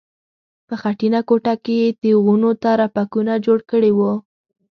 په خټینه کوټه کې یې تیغونو ته رپکونه جوړ کړي وو.